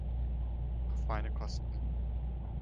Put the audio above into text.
Auf meine Kosten‘.